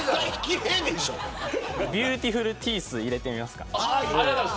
ビューティフルティースと入れてみます。